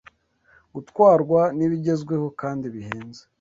gutwarwa n’ibigezweho kandi bihenze